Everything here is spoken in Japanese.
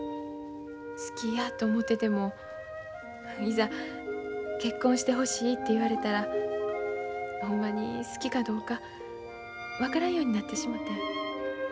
好きやと思うててもいざ結婚してほしいて言われたらほんまに好きかどうか分からんようになってしもて。